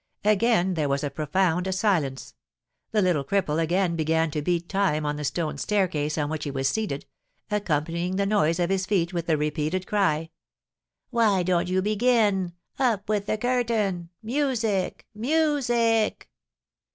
Again there was a profound silence. The little cripple again began to beat time on the stone staircase on which he was seated, accompanying the noise of his feet with the repeated cry: "Why don't you begin? Up with the curtain! Music! Music!"